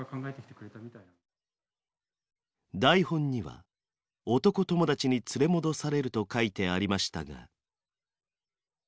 台本には「男友達に連れ戻される」と書いてありましたが。